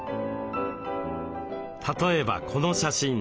例えばこの写真。